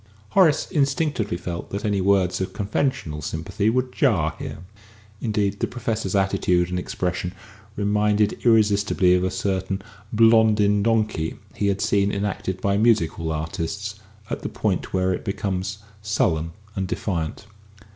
Horace instinctively felt that any words of conventional sympathy would jar here; indeed, the Professor's attitude and expression reminded him irresistibly of a certain "Blondin Donkey" he had seen enacted by music hall artists, at the point where it becomes sullen and defiant.